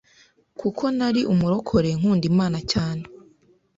Kuko nari umurokore nkunda Imana cyane